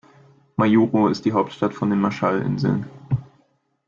Majuro ist die Hauptstadt von den Marshallinseln.